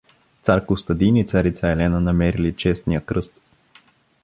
цар Костадин и царица Елена намерили честния кръст.